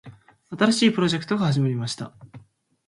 新しいプロジェクトが始まりました。